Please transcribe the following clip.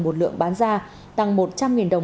một lượng bán ra tăng một trăm linh đồng